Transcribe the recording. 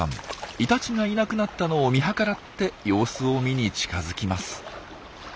イタチがいなくなったのを見計らって様子を見に近づきます。